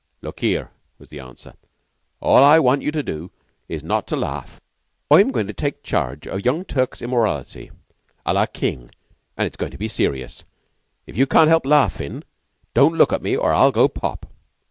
"Look here," was the answer, "all I want you to do is not to laugh. I'm goin' to take charge o' young Tulke's immorality à la King, and it's goin' to be serious. If you can't help laughin' don't look at me, or I'll go pop."